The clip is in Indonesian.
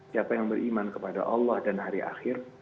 siapa yang beriman kepada allah dan hari akhir